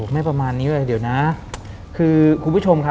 ไม่ประมาณนี้ด้วยเดี๋ยวนะ